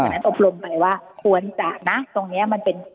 นั้นอบรมไปว่าควรจะนะตรงนี้มันเป็น